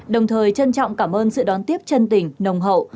đồng thời trân trọng cảm ơn sự đón tiếp chân tình nồng hậu